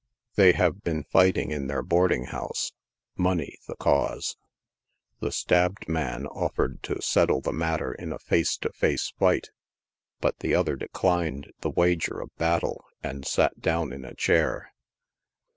They have been fighting in their boarding house — money the cause. The stabbed man offered to settle the matter in a face to face fhj,ht, but the other declined the wager of battle, and sat down in a chair.